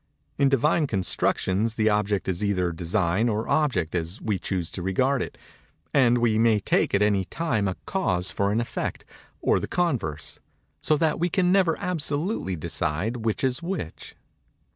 In Divine constructions the object is either design or object as we choose to regard it—and we may take at any time a cause for an effect, or the converse—so that we can never absolutely decide which is which.